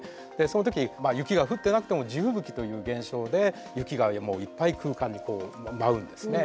その時雪が降ってなくても地吹雪という現象で雪がいっぱい空間にこう舞うんですね。